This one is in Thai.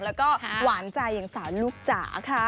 แล้วก็หวานใจอย่างสาวลูกจ๋าค่ะ